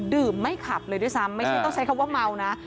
ไม่ขับเลยด้วยซ้ำไม่ใช่ต้องใช้คำว่าเมานะ